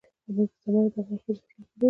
زمرد د افغان ښځو په ژوند کې رول لري.